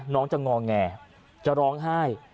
น้องจะงอแงจะร้องไห้